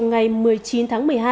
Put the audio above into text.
ngày một mươi chín tháng một mươi hai